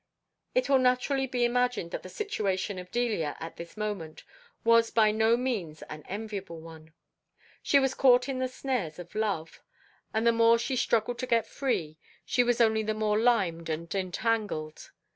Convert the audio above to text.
It will naturally be imagined that the situation of Delia at this moment was by no means an enviable one. She was caught in the snares of love. And the more she struggled to get free, she was only the more limed and entangled.